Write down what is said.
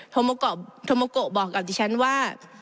โทโมโกะบอกกับดิฉันว่า